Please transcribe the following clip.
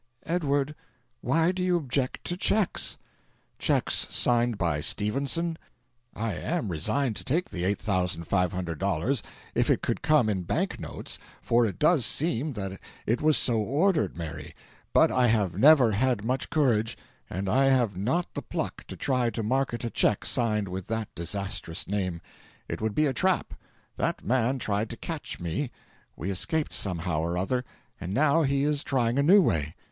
"Edward, why do you object to cheques?" "Cheques signed by Stephenson! I am resigned to take the $8,500 if it could come in bank notes for it does seem that it was so ordered, Mary but I have never had much courage, and I have not the pluck to try to market a cheque signed with that disastrous name. It would be a trap. That man tried to catch me; we escaped somehow or other; and now he is trying a new way.